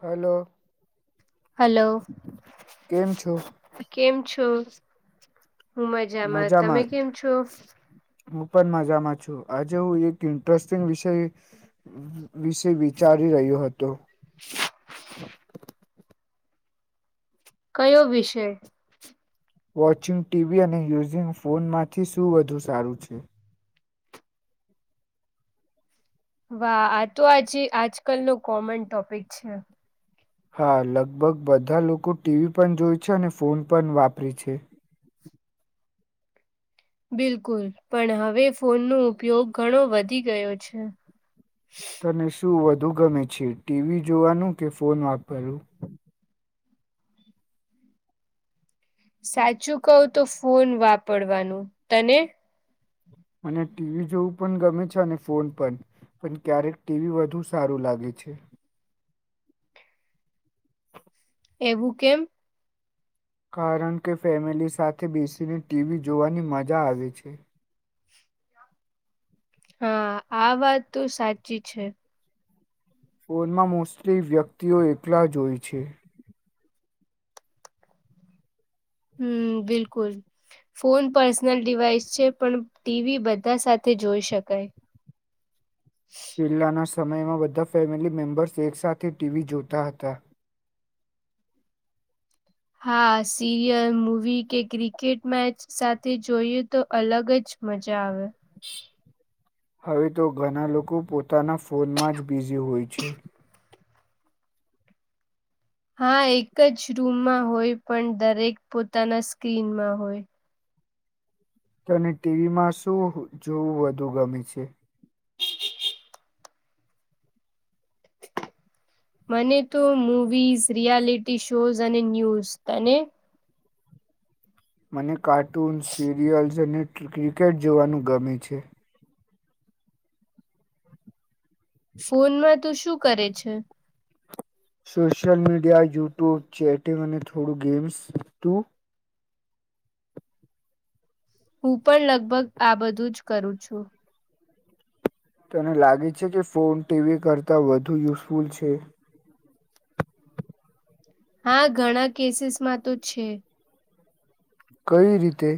Hello hello. કેમ છો કેમ છો હું મજામાં તમે કેમ છો? હું પણ મજામાં છું આજે હું એક ઇન્ટરેસ્ટિંગ વિષય [inaudible] વિશે વિચારી રહ્યો હતો. [inaudible] કયો વિષય? વોચિંગ ટીવી અને યુઝિંગ ફોનમાંથી શું વધુ સારું છે? વાહ આ તો આજે આજકાલ ન કોમન ટોપિક છે. હા લગભગ બધા લોકો ટીવી પણ જોય છે અને ફોન પણ વાપરે છે. બિલકુલ પણ હવે ફોનનો ઉપયોગ ઘણો વધી ગયો છે. તને શું વધુ ગમે છે ટીવી જોવાનું કે ફોન વાપરવું? સાચું કવ તો ફોન વાપરવાનું તને. મને ટીવી જોવું પણ ગમે છે અને ફોન પણ. પણ ક્યારેક ટીવી વધુ સારું લાગે છે. એવું કેમ. કારણ કે ફેમિલી સાથે બેસીને ટીવી જોવાની મજા આવે છે. હા આ વાત તો સાચી છે. ફોનમાં મોસ્ટલી વ્યક્તિઓ એકલા જ હોય છે. હમ્મ બિલકુલ. ફોન પર્સનલ ડિવાઈસ છે પણ ટીવી બધા સાથે જોઈ શકાય. પલ્લ્લાના સમયમાં બધા ફેમિલી મેમ્બર્સ એક સાથે ટીવી જોતા હતા. હા સિરિયલ મૂવી કે ક્રિકેટ મેચ સાથે જોઈએ તો અલગ જ મજા આવે. હા. હવે તો ઘણા લોકો પોતાના ફોનમાં જ બિઝી હોય છે. હા એક જ રૂમમાં હોય પણ દરેક પોતાના સ્ક્રીનમાં હોય. તને ટીવી માં શું જોવું વધુ ગમે છે. મને તો મૂવીઝ રિયાલિટી શોઝ અને ન્યૂઝ તને. મને કાર્ટૂન્સ સિરિયલ્સ અને ક્રિકેટ જોવાનું ગમે છે. ફોનમાં તું શું કરે છે. સોશિયલ મીડિયા યુટ્યુબ ચેટિંગ અને થોડું ગેમ્સ તું. હું પણ લગભગ આ બધું જ કરું છું. તને લાગે છે કે ફોન ટીવી કરતા વધુ યુઝફુલ છે. હા ઘણા કેસીસ માં તો છે. કઈ રીતે.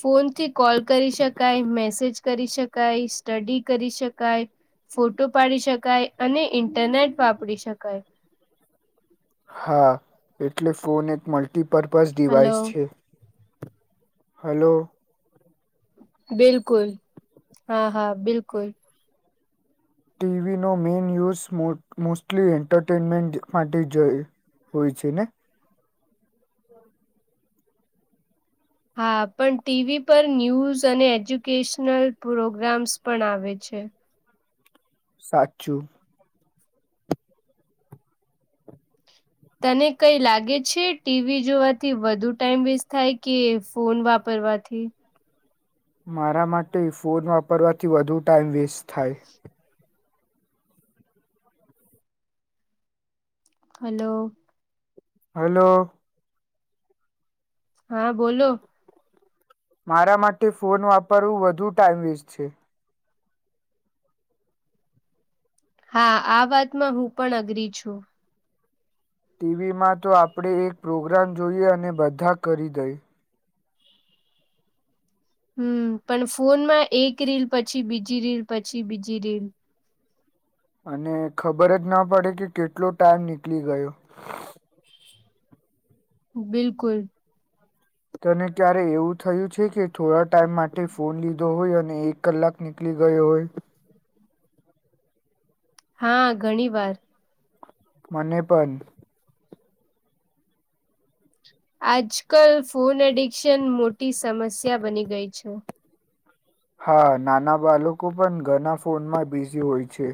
ફોનથી કોલ કરી શકાય મેસેજ કરી શકાય સ્ટડી કરી શકાય. ફોટો પાડી શકાય અને ઇન્ટરનેટ વાપરી શકાય. હા એટલે ફોન એક મલ્ટીપર્પઝ ડિવાઇસ હલો. છે. હલો. બિલકુલ હા હા બિલકુલ. ટીવીનો મેઇન યુઝ મો મોસ્ટલી એન્ટરટેનમેન્ટ માટે જો હોય છે ને. હા પણ ટીવી પર ન્યૂઝ અને એજ્યુકેશનલ પ્રોગ્રામ્સ પણ આવે છે. સાચું. તને કઈ લાગે છે ટીવી જોવાથી વધુ ટાઈમ વેસ્ટ થાય કે ફોન વાપરવાથી. મારા માટે ફોન વાપરવાથી વધુ ટાઈઇમ વેસ્ટ થાય. હલો. હલો. હા બોલો. મારા માટે ફોન વાપરવું વધુ ટાઈઇમ વેસ્ટ છે. હા આ વાતમાં હું પણ અગ્રી છું. ટીવીમાં તો આપણે એક પ્રોગ્રામ જોઈએ અને બધા કરી દઈ. હમ્મ પણ ફોનમાં એક રીલ પછી બીજી રીલ પછી બીજી રીલ. અને ખબર જ ના પડે કે કેટલો ટાઈમ નીકળી ગયો. બિલકુલ. તને ક્યારે એવું થયું છે કે થોડા ટાઈમ માટે ફોન લીધો હોય અને એ કલાક નીકળી ગયો હોય. હા ઘણી વાર. મને પણ. આજ કલ ફોન એડિક્શન મોટી સમસ્યા બની ગઈ છે. હા નાના બાળકો પણ ઘના ફોનમાં બિઝી હોય છે.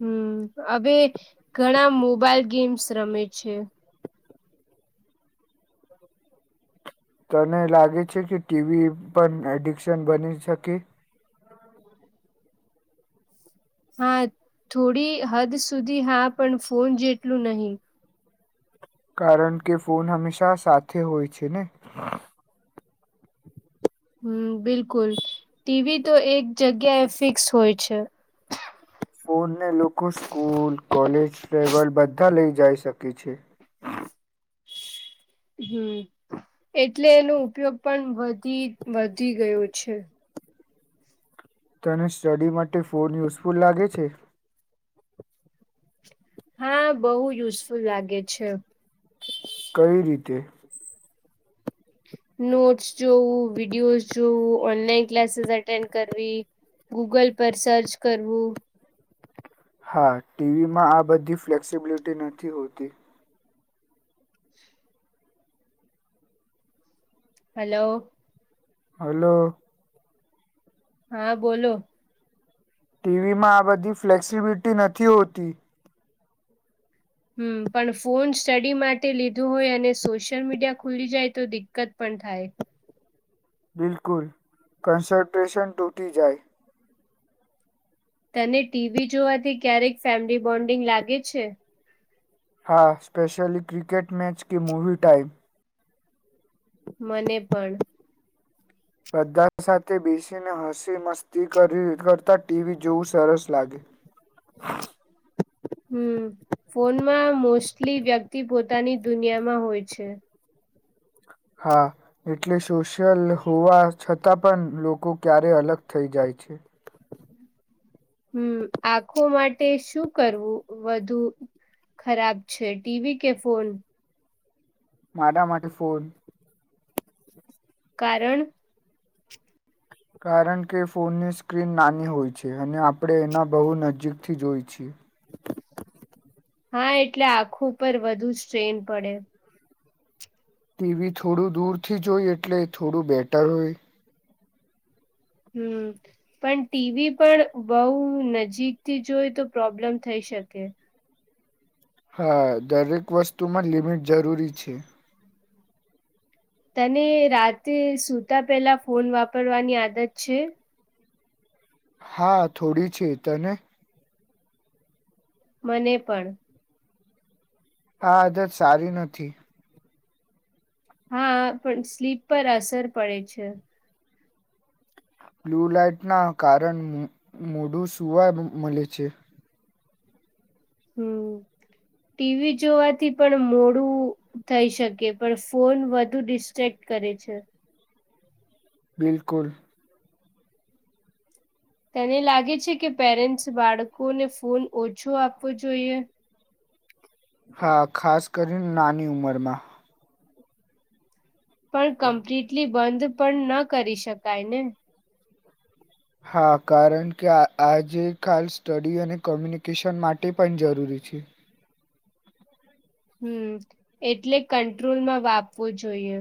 હમ્મ હવે ઘણા મોબાઈલ ગેમ્સ રમે છે. તને લાગે છે કે ટીવી પણ એડિક્શન બની શકે. હા થોડી હદ સુધી હા પણ ફોન જેટલું નહી. કારણ કે ફોન હમેશા સાથે હોય છે ને. હમ્મ બિલકુલ ટીવી તો એક જગ્યા એ ફિક્સ હોય છે. ફનને લોકો સ્કૂલ કોલેજ ટવલ બધા લઇ જઈ શકે છે હમ એટલે એનો ઉપયોગ પણ વધી વધી ગયો છે તને સ્ટડી માટે ફોન યુઝફુલ લાગે છે. હા બહુ યુઝફુલ લાગે છે. કઈ રીતે. નોટ્સ જોવું વિડીયોઝ જોવું ઓનલાઈન ક્લાસીસ એટેન્ડ કરવી. ગૂગલ પર સર્ચ કરવું હા ટીવીમાં આ બધી ફ્લેક્સિબિલિટી નથી હોતી હલો હલો હા બોલો ટીવીમાં આ બધી ફ્લેક્સિબિલિટી નથી હોતી હમ પણ ફોન સ્ટડી માટે લીધો હોય અને સોશિયલ મીડિયા ખુલી જાય તો દિક્કત પણ થાય બિલકુલ કન્સન્ટ્રેશન ટૂટી જાય તને ટીવી જોવાથી ક્યારેક ફેમિલી બોન્ડિંગ લાગે છે હા સ્પેશલી ક્રિકેટ મેચ કે મૂવી ટાઈમ મને પણ બધા સાથે બેસીને હસી મસ્તી કરી કરતા ટીવી જોવું સરસ લાગે હ હમ ફોનમાં મોસ્ટલી વ્યક્તિ પોતાની દુનિયામાં હોય છે હા એટલે સોશિયલ હોવા છતાં પણ લોકો ક્યારે અલગ થઈ જાય છે હમ આખો માટે શું કરવું વધુ ખરાબ છે ટીવીી કે ફોન મારા માટે ફોન કારણ કારણ કે ફોનની સ્ક્રીન નાની હોય છે અને આપણે એના બહુ નજીકથી જોઈ છીએ હા એટલે આખું પર વધુ સ્ટ્રેન પડે ટીવી થોડું દૂર થી જોય એટલે થોડું બેટર હોય હમ પણ ટીવી પણ બઉ નજીકથી જોઈ તો પ્રોબ્લેમ થઈ શકે હા દરેક વસ્તુમાં લિમિટ જરૂરી છે તને રાતે સુતા પેલા ફોન વાપરવાની આદત છે હા થોડી છે તને મને પણ હા આદત સારી નથી. હા પણ સ્લીપ પર અસર પડે છે. બ્લુ લઇટના કારણ મોઢું સવાય મળે છે. હમ ટીવી જોવાથી પણ મોડું થઈ શકે પણ ફોન વધુ ડિસ્ટ્રેક્ટ કરે છે. બિલકુલ તેને લાગે છે કે પેરેન્ટ્સ બાળકોને ફોન ઓછો આપવો જોઈએ હા ખાસ કરીને નાની ઉંમરમાં પણ કમ્પ્લીટલી બંધ પણ ન કરી શકાય ને હા કારણ કે આ આજે ખાલ સ્ટડી અને કોમ્યુનિકેશન માટે પણ જરૂરી છે. હમ એટલે કંટ્રોલ માં વાપવું જોઈએ.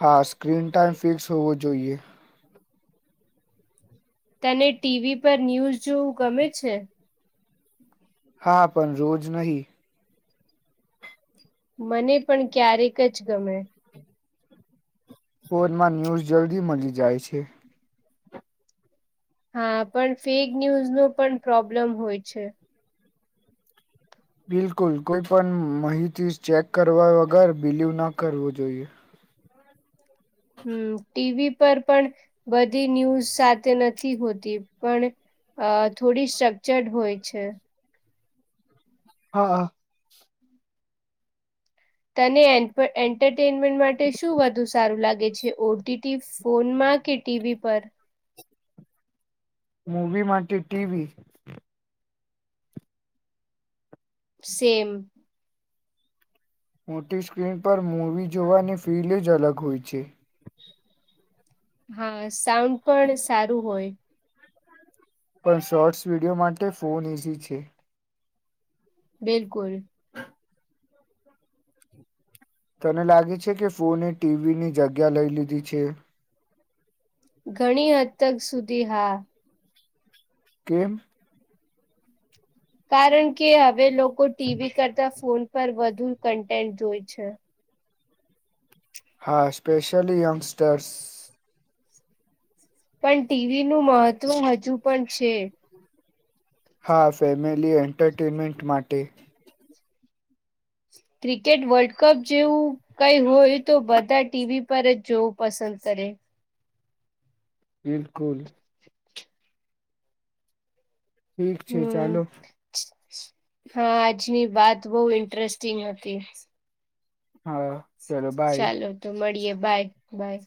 હા સ્ક્રીન ટાઈમ ફિક્સ હોવો જોઈએ. તને ટીવી પર ન્યૂઝ જોવું ગમે છે. હા પણ રોજ નહી. મને પણ ક્યારેક જ ગમે ફોનમાં ન્યૂઝ જલ્દી મળી જાય છે. હા પણ ફેક ન્યુઝ નો પણ પ્રોબ્લેમ હોય છે. બિલકુલ કોઈ પણ માહિતી ચેક કરવા વગર બિલીવ ના કરવો જોઈએ હમ ટીવી પર પણ બધી ન્યૂઝ સાથે નથી હોતી પણ અ થોડી સ્ટ્રક્ચર્ડ હોય છે. હા હા તને એન્ટરટેનમેન્ટ માટે શું વધુ સારું લાગે છે ઓટીટી ફોનમાં કે ટીવી પર મૂવી માટે ટીવી. સેમ મોટી સ્ક્રીન પર મૂવી જોવાની ફીલ જ અલગ હોય છે. હા સાઉન્ડ પણ સારું હોય. પણ શોર્ટ્સ વિડીયો માટે ફોન ઈઝી છે. બિલકુલ તને લાગે છે કે ફોને ટીવીની જગ્યા લઈ લીધી છે. ઘણી હક સુધી હા કેમ [unintelligible] કારણ કે હવે લોકો ટીવી કરતા ફોન પર વધુ કન્ટેન્ટ જોય છે. હા સ્પેશલી યંગસ્ટર્સ પણ ટીવી નું મહત્વ હજુ પણ છે. હા ફેમિલી એન્ટરટેનમેન્ટ માટે ક્રિકેટ વર્લ્ડ કપ જેવું કઈ હોય તો બધા ટીવી પર જ જોવું પસંદ કરે બિલકુલ ઠીક છે હમ ચાલો હા આજની વાત બહુ ઇન્ટરેસ્ટિંગ હતી. હા ચલો બાય ચાલો તો મળીએે બાય બાય.